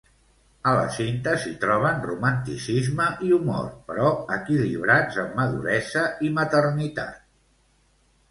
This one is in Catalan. A la cinta s'hi troben romanticisme i humor, però equilibrats amb maduresa i maternitat.